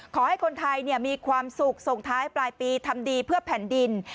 ขอให้คนไทยมีความสุขส่งท้ายปลายปีทำดีเพื่อแผ่นดิน